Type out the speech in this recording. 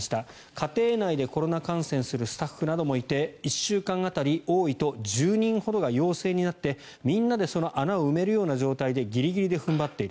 家庭内でコロナ感染するスタッフなどもいて１週間当たり多いと１０人ほどが陽性になってみんなでその穴を埋めるような状態でギリギリで踏ん張っている。